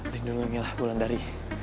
lindungin lah bulan dari